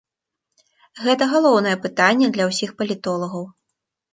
Гэта галоўнае пытанне для ўсіх палітолагаў.